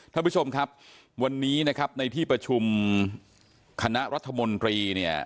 ท่านผู้ชมครับวันนี้นะครับในที่ประชุมคณะรัฐมนตรีเนี่ย